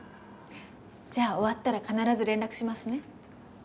じゃあ終わったら必ず連絡しますね。